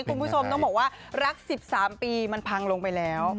คุณผู้ชมต้องบอกว่ารัก๑๓ปีมันพังลงไปแล้ว